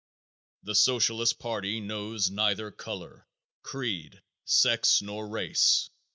The Socialist party knows neither color, creed, sex, nor race.